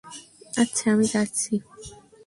আচ্ছা আমি যাচ্ছি।